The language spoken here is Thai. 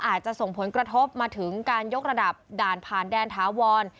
อาจจะส่งผลกระทบมาถึงการยกระดับด่านผ่านแดนถาวร